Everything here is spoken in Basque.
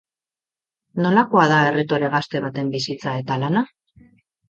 Nolakoa da erretore gazte baten bizitza eta lana?